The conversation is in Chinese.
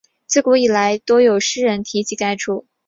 自古以来多有诗人提及该处。